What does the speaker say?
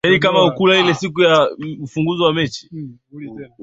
Alipohakikisha ile gari imeondoka akatembea kuelekea maegesho ya taksi